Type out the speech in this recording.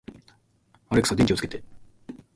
アレクサ、電気をつけて